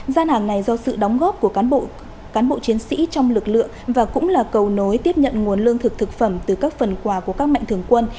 gian hàng này do sự đóng góp của cán bộ chiến sĩ trong lực lượng và cũng là cầu nối tiếp nhận nguồn lương thực thực phẩm từ các phần quả của các mệnh thường quân